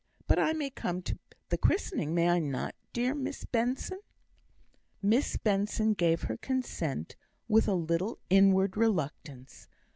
But I may come to the christening, may I not, dear Miss Benson?" Miss Benson gave her consent with a little inward reluctance.